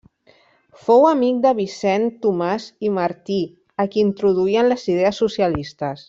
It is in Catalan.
Fou amic de Vicent Tomàs i Martí, a qui introduí en les idees socialistes.